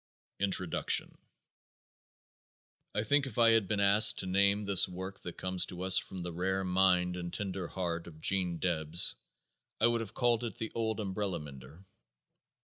115] Introduction _I think if I had been asked to name this work that comes to us from the rare mind and tender heart of 'Gene Debs, I would have called it "The Old Umbrella Mender."